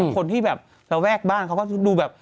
คนที่แบบระแวกบ้านเขาก็ดูแบบ